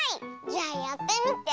じゃあやってみて。